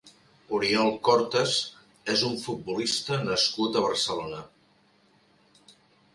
Oriol Cortes és un futbolista nascut a Barcelona.